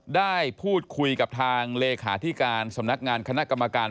ได้พูดคุยกับทางเลขาธิการสำนักงานคณะกรรมการ